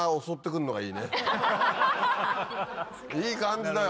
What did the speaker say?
いい感じだよ